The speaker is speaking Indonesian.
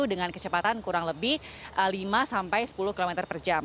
dengan kecepatan kurang lebih lima sampai sepuluh km per jam